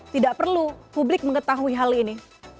tidak perlu publik mengetahui hal ini